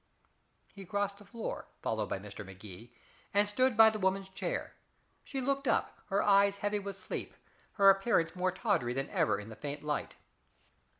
He crossed the floor, followed by Mr. Magee, and stood by the woman's chair. She looked up, her eyes heavy with sleep, her appearance more tawdry than ever in that faint light.